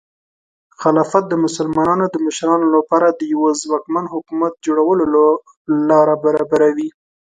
خلافت د مسلمانانو د مشرانو لپاره د یوه ځواکمن حکومت جوړولو لاره برابروي.